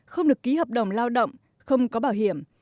không được ký hợp đồng lao động không có bảo hiểm